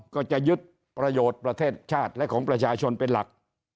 ก็จะยึดประโยชน์ประเทศชาติและของประชาชนเป็นหลัก